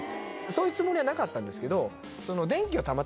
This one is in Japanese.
そういうつもりはなかったんですけど。